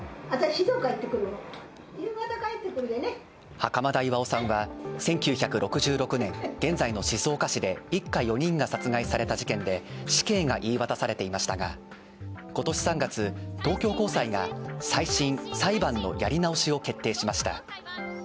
袴田巌さんは１９６６年、現在の静岡市で、一家４人が殺害された事件で死刑が言い渡されていましたが今年３月、東京高裁が再審＝裁判のやり直しを決定しました。